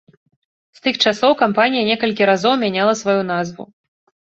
З тых часоў кампанія некалькі разоў мяняла сваю назву.